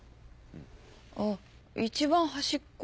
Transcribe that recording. あっ一番端っこ？